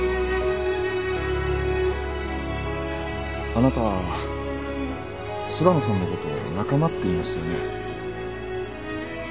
あなたは柴野さんのことを仲間って言いましたよね？